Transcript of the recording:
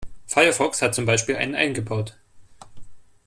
Firefox hat zum Beispiel einen eingebaut.